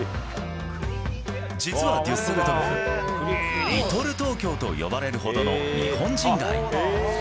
実はデュッセルドルフ、リトル東京と呼ばれるほどの日本人街。